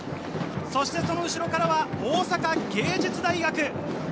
その後ろからは大阪芸術大学。